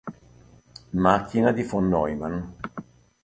Macchina di von Neumann